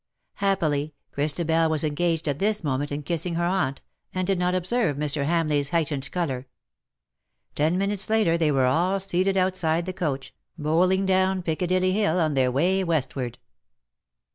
Happily, Christabel was engaged at this moment in kissing her aunt, and did not observe Mr. Hamleigh's heightened colour. Ten minutes later they were all seated outside the coach, bowling down Piccadilly Hill on their way westward.